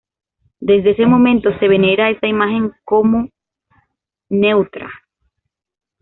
Desde ese momento, se venera esta imagen como Ntra.